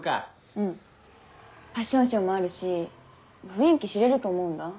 うんファッションショーもあるし雰囲気知れると思うんだ。